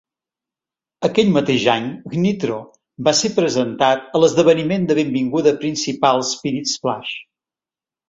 Aquell mateix any, Knightro va ser presentat a l'esdeveniment de benvinguda principal Spirit Splash.